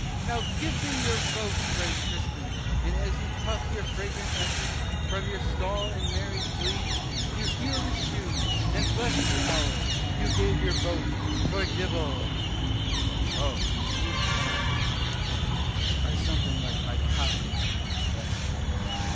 Now give me your vote, friend Crispin, and as you puff your fragrant essence from your stall in merry glee, you heel the shoe, and bless the hour you gave your vote for Dibble. Cris. Oh, you fine powdered gentlemen are something like my codling tree last spring.